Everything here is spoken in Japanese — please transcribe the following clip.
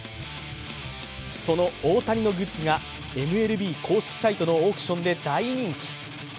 その大谷のグッズがＭＬＢ公式サイトのオークションで大人気。